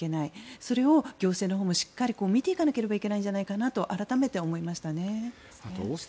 それを行政のほうもしっかり見ていかなければいけないんじゃないかなと改めて思いました。